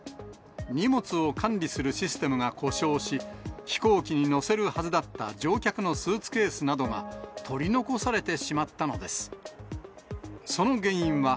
荷物を管理するシステムが故障し、飛行機に載せるはずだった乗客のスーツケースなどが取り残されてしまったのです。